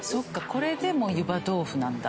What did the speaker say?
これでもう湯葉どうふなんだ。